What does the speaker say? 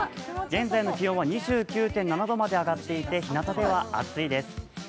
現在の気温は２９．７度まで上がっていてひなたでは暑いです。